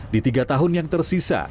di tiga tahun yang tersisa